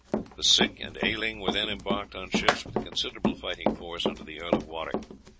The sick and ailing were then embarked on ships, with a considerable fighting force under the Earl of Warwick.